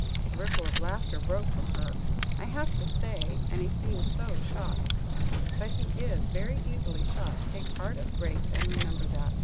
A ripple of laughter broke from her. "I had to say so, and he seemed so shocked." "But he is very easily shocked; take heart of grace and remember that.